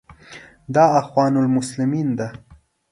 دا اخوان المسلمین ده.